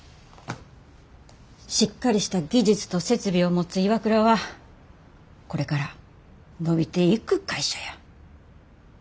しっかりした技術と設備を持つＩＷＡＫＵＲＡはこれから伸びていく会社や。